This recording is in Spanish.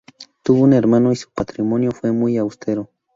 Tuvo un hermano y su patrimonio fue muy austero.